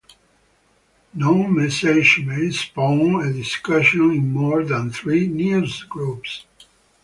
No message may spawn a discussion in more than three newsgroups.